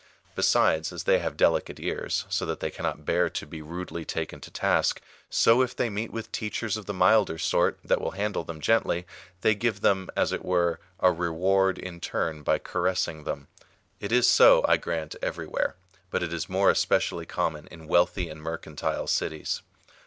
Besides, as they have delicate ears, so that they cannot bear to be rudely taken to task, so if they meet with teachers of the milder sort, that will handle them gently, they give them, as it were, a reward in turn by caressing tliem.^ It is so, I grant, everywhere ; but it is more esi^ecially common in wealthy and mercantile cities.